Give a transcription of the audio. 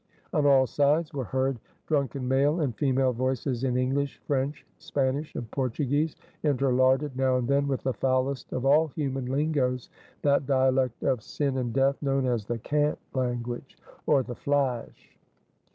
On all sides, were heard drunken male and female voices, in English, French, Spanish, and Portuguese, interlarded now and then, with the foulest of all human lingoes, that dialect of sin and death, known as the Cant language, or the Flash.